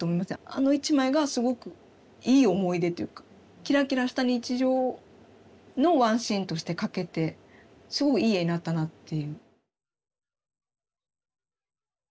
あの一枚がすごくいい思い出というかキラキラした日常のワンシーンとして描けてすごいいい絵になったなっていう。